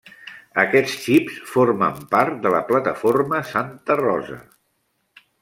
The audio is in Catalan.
Aquests xips formen part de la plataforma Santa Rosa.